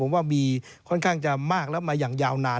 ผมว่ามีค่อนข้างจะมากแล้วมาอย่างยาวนาน